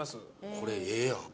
これええやん。